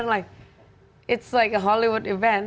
seperti itu seperti acara hollywood